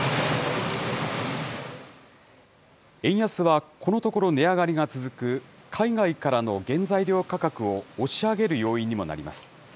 円安はこのところ、値上がりが続く、海外からの原材料価格を押し上げる要因にもなります。